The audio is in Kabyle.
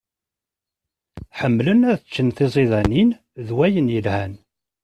Ḥemmlen ad ččen tiẓidanin d wayen yelhan.